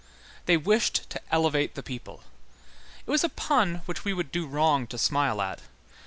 They wished to elevate the people. It was a pun which we should do wrong to smile at.